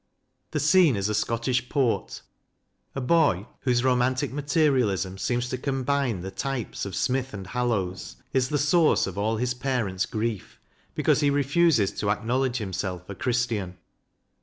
The scene is a Scottish port. A boy, whose romantic materialism seems to combine the types of Smith and Hallowes, is the source of all his parents' grief, because he refuses to acknowledge himself a Christian.